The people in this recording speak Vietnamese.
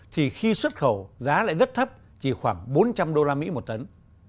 thì khi xuất khẩu giá lại rất thấp chỉ khoảng bốn trăm linh usd một tấn